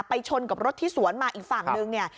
ชนกับรถที่สวนมาอีกฝั่งนึงเนี่ย